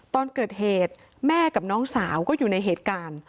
ตอนเกิดเหตุแม่กับน้องสาวก็อยู่ในเหตุการณ์